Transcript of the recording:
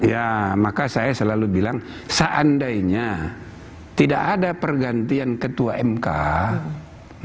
ya maka saya selalu bilang seandainya tidak ada pergantian ketua mk untuk mencari keadilan terakhir